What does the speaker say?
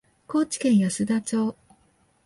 高知県安田町